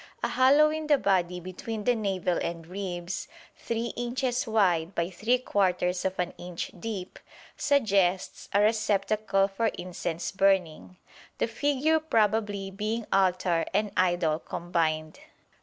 A hollow in the body between the navel and ribs, three inches wide by three quarters of an inch deep, suggests a receptacle for incense burning; the figure probably being altar and idol combined.